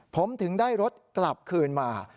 ผมถึงได้รถกลับคืนมา